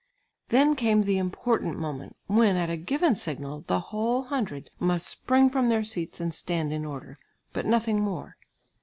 Then came the important moment, when, at a given signal the whole hundred must spring from their seats and stand in order, but nothing more.